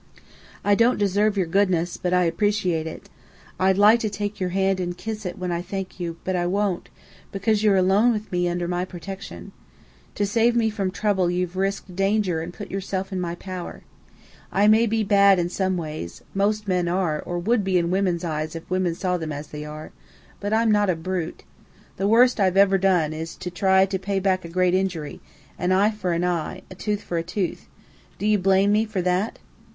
"I don't deserve your goodness, but I appreciate it. I'd like to take your hand and kiss it when I thank you, but I won't, because you're alone with me, under my protection. To save me from trouble you've risked danger and put yourself in my power. I may be bad in some ways most men are, or would be in women's eyes if women saw them as they are; but I'm not a brute. The worst I've ever done is to try to pay back a great injury, an eye for an eye, a tooth for a tooth. Do you blame me for that?"